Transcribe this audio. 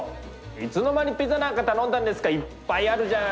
いつの間にピザなんか頼んだんですか⁉いっぱいあるじゃん！